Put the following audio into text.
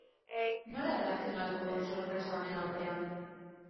Nola erreakzionatuko du sorpresa honen aurrean?